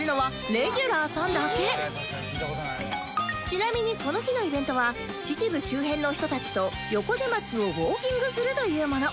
ちなみにこの日のイベントは秩父周辺の人たちと横瀬町をウォーキングするというもの